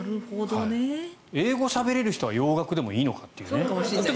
英語しゃべれる人は洋楽でもいいのかという。